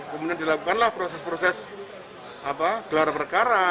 kemudian dilakukanlah proses proses gelar perkara